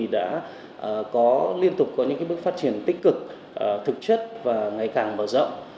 đã liên tục có những bước phát triển tích cực thực chất và ngày càng bởi rộng